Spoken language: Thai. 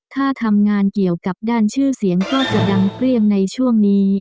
ถ้าทำงานเกี่ยวกับด้านชื่อเสียงก็จะดังเปรี้ยงในช่วงนี้